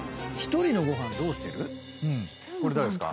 これ誰ですか？